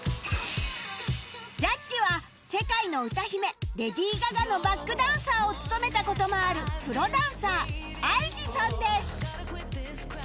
ジャッジは世界の歌姫レディー・ガガのバックダンサーを務めた事もあるプロダンサー ＩＧ さんです